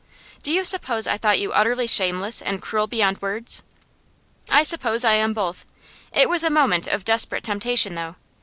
'Do you suppose I thought you utterly shameless and cruel beyond words?' 'I suppose I am both. It was a moment of desperate temptation, though.